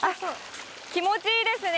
気持ちいいですね。